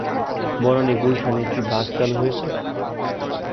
বনানী গুলশানে কি বাস চালু হয়েছে?